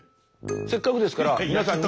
せっかくですから皆さんに。